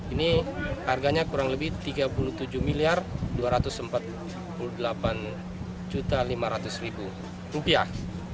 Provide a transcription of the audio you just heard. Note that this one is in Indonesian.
ini harganya kurang lebih tiga puluh tujuh miliar dua ratus empat puluh delapan lima ratus rupiah